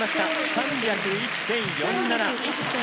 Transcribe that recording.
３０１．４７。